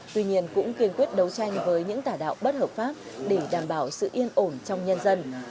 tuy nhiên cũng kiên quyết đấu tranh với những tả đạo bất hợp pháp để đảm bảo sự yên ổn trong nhân dân